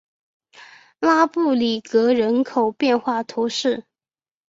拉布里格人口变化图示